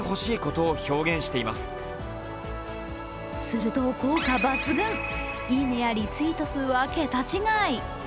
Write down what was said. すると効果抜群、「いいね」やリツイート数は桁違い。